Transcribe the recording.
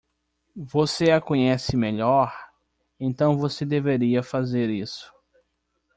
Você a conhece melhor?, então você deveria fazer isso.